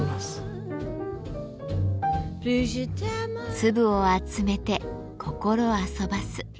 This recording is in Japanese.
粒を集めて心遊ばす。